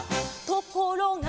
「ところが」